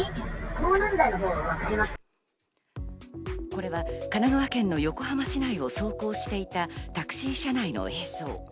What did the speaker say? これは神奈川県の横浜市内を走行していたタクシー車内の映像。